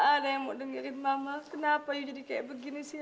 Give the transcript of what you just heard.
tidak ada yang mau dengar mama kenapa kamu jadi seperti ini erwin